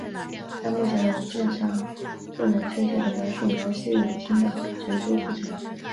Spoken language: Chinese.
但目前的文献尚不能确切地描述摩西五经的成书过程。